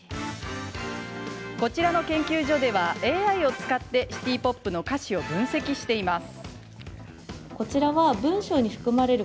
こちらの研究所ではＡＩを使ってシティ・ポップの歌詞を分析しています。